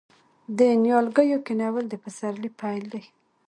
د نیالګیو کینول د پسرلي پیل دی.